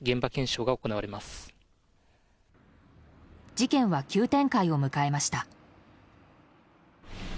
事件は急展開を迎えました。